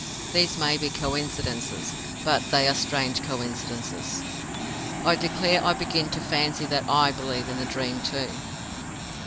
These may be coincidences, but they are strange coincidences. I declare I begin to fancy that I believe in the Dream too!